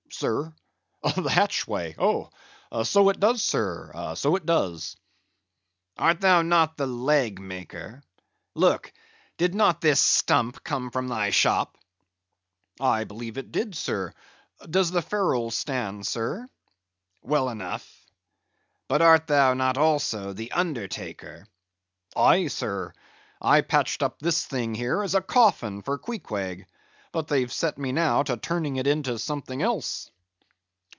"Sir? The hatchway? oh! So it does, sir, so it does." "Art not thou the leg maker? Look, did not this stump come from thy shop?" "I believe it did, sir; does the ferrule stand, sir?" "Well enough. But art thou not also the undertaker?" "Aye, sir; I patched up this thing here as a coffin for Queequeg; but they've set me now to turning it into something else."